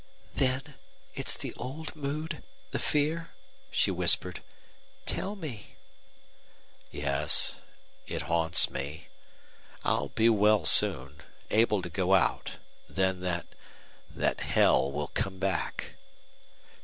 "Then it's the old mood the fear?" she whispered. "Tell me." "Yes. It haunts me. I'll be well soon able to go out. Then that that hell will come back!"